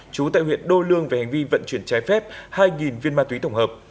chú tại huyện đô lương về hành vi vận chuyển trái phép hai viên ma túy tổng hợp